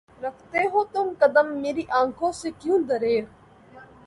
رکھتے ہو تم قدم میری آنکھوں سے کیوں دریغ؟